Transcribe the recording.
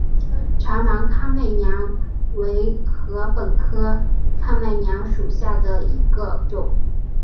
长芒看麦娘为禾本科看麦娘属下的一个种。